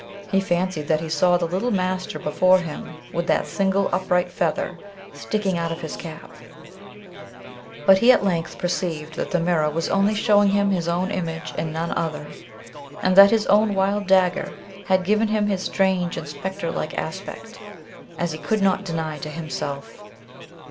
He fancied that he saw the little Master before him with that single upright feather sticking out of his cap; but he at length perceived that the mirror was only showing him his own image and none other, and that his own wild dagger had given him this strange and spectre like aspect, as he could not deny to himself.